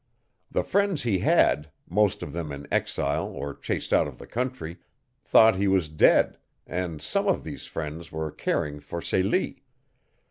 The friends he had, most of them in exile or chased out of the country, thought he was dead, and some of these friends were caring for Celie.